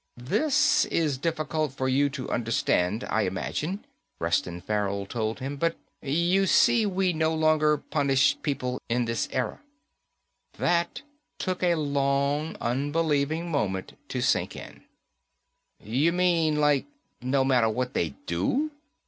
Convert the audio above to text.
"This is difficult for you to understand, I imagine," Reston Farrell told him, "but, you see, we no longer punish people in this era." That took a long, unbelieving moment to sink in. "You mean, like, no matter what they do?